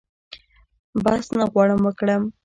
بحث نه غواړم وکړم.